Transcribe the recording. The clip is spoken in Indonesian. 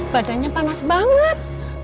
badannya panas banget